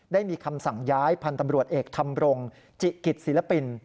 ได้มีคำสั่งย้ายพันธุ์ตำรวจเอกธรรมรงจิกิจศิลปิน